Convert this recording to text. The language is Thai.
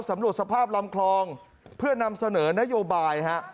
สำรวจสภาพลำคลองเพื่อนำเสนอนโยบายฮะ